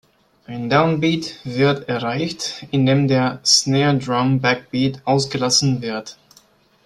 Ein "Downbeat" wird erreicht, indem der Snare Drum-Backbeat ausgelassen wird.